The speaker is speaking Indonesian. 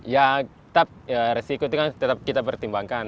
ya tetap resiko itu kan kita pertimbangkan